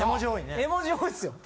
絵文字多いっすよ。